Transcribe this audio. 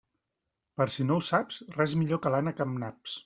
Per si no ho saps, res millor que l'ànec amb naps.